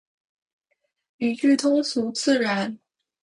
语句通俗自然